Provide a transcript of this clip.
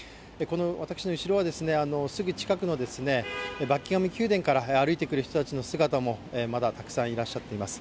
私の後ろはすぐ近くのバッキンガム宮殿から歩いてくる人たちの姿もまだ、たくさんいらっしゃっています。